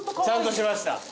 ちゃんとしました。